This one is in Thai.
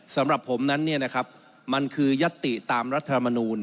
สำหรับผมนั้นเนี่ยนะครับมันคือยัตติตามรัฐธรรมนูล